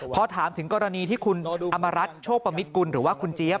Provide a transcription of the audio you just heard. พอถามถึงกรณีที่คุณอำมารัฐโชคประมิตกุลหรือว่าคุณเจี๊ยบ